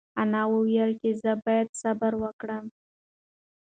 انا وویل چې زه باید صبر وکړم.